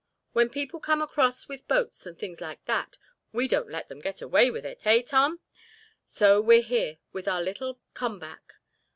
When people come across with boats and things like that we don't let them get away with it—hey, Tom? So we're here with our little come back.